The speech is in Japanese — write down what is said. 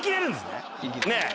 ねえ？